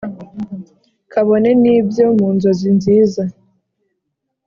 kabone n’ibyo mu nzozi nziza